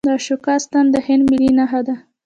د اشوکا ستن د هند ملي نښه ده.